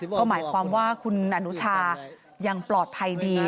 ก็หมายความว่าคุณอนุชายังปลอดภัยดี